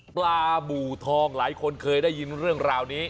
ปลาบูทองหลายคนเคยได้ยินเรื่องราวนี้